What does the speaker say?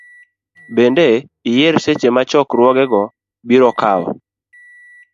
Bende, iyier seche ma chokruogego biro kawo .